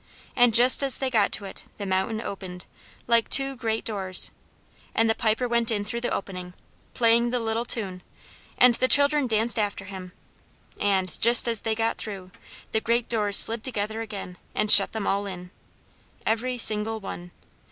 And just as they got to it, the mountain opened, like two great doors, and the Piper went in through the opening, playing the little tune, and the children danced after him and just as they got through the great doors slid together again and shut them all in! Every single one.